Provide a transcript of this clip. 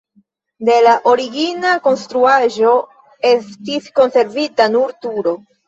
De la origina konstruaĵo estis konservita nur turo.